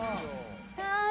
はい。